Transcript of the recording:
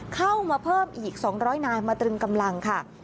เข้ามาเพิ่มอีก๒๐๐นายมาตรึงกำลังค่ะ